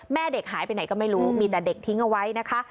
แม่เด็กหายไปไหนก็ไม่รู้มีแต่เด็กทิ้งเอาไว้นะคะ